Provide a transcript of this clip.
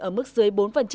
ở mức dưới bốn